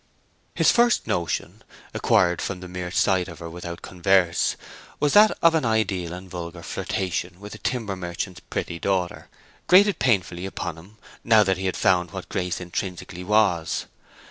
His first notion—acquired from the mere sight of her without converse—that of an idle and vulgar flirtation with a timber merchant's pretty daughter, grated painfully upon him now that he had found what Grace intrinsically was.